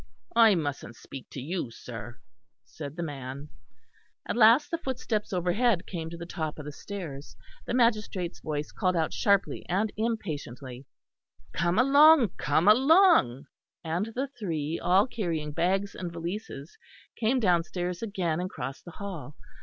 "I mustn't speak to you, sir," said the man. At last the footsteps overhead came to the top of the stairs. The magistrate's voice called out sharply and impatiently: "Come along, come along"; and the three, all carrying bags and valises came downstairs again and crossed the hall.